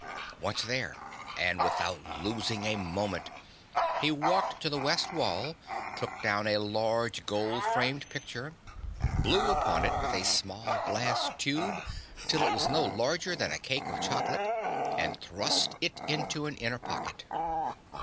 Once there, and without losing a moment, he walked to the west wall, took down a large gold framed picture, blew upon it with a small glass tube, till it was no larger than a cake of chocolate and thrust it into an inner pocket.